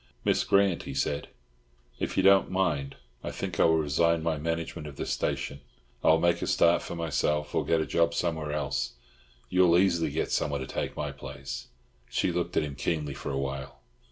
"Miss Grant," he said, "if you don't mind, I think I will resign my management of this station. I will make a start for myself or get a job somewhere else. You will easily get someone to take my place." She looked at him keenly for a while.